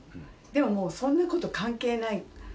でももう、そんなこと関係ない。